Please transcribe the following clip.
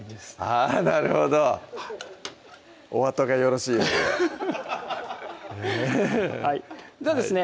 あなるほどお後がよろしいようでではですね